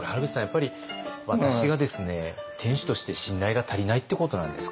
やっぱり私がですね店主として信頼が足りないってことなんですかね？